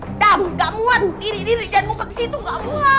adam gak muat diri diri jangan mumpet kesitu gak muat